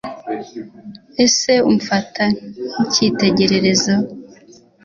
ese umfata nk’ikitegererezo?